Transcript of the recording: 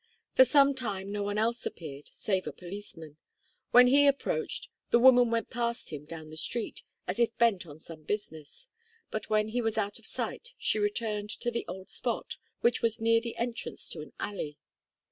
For some time no one else appeared save a policeman. When he approached, the woman went past him down the street, as if bent on some business, but when he was out of sight she returned to the old spot, which was near the entrance to an alley.